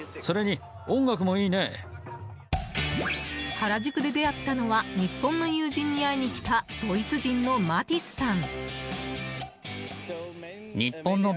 原宿で出会ったのは日本の友人に会いに来たドイツ人のマティスさん。